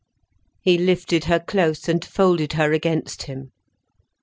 He lifted her close and folded her against him.